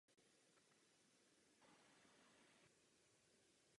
Tehdy ještě jako maketa.